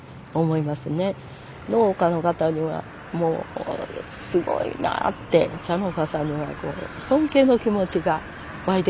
農家の方にはもうすごいなあって茶農家さんにはこう尊敬の気持ちが湧いてきますね。